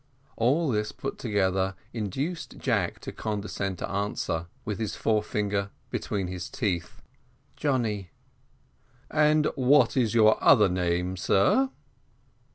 All this put together induced Jack to condescend to answer, with his forefinger between his teeth, "Johnny." "And what is your other name, sir?"